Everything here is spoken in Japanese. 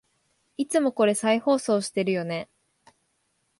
いつもこれ再放送してるよね